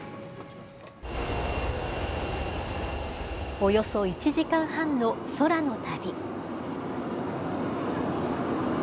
およそ１時間半の空の旅。